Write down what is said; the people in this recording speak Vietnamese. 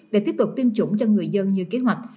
để tiếp tục tiêm chủng cho người dân như kế hoạch